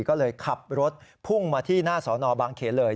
ก็เลยขับรถพุ่งมาที่หน้าสอนอบางเขนเลย